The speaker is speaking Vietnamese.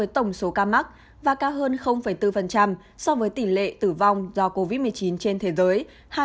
tổng số ca mắc và ca hơn bốn so với tỷ lệ tử vong do covid một mươi chín trên thế giới hai một